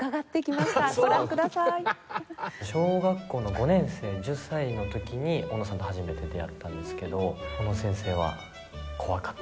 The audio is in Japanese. ご覧ください。小学校の５年生１０歳の時に小野さんと初めて出会ったんですけど小野先生は怖かったです。